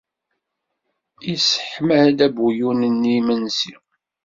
Yesseḥma-d abuyun-nni i yimensi.